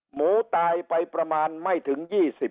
หมูตายไปประมาณไม่ถึง๒๐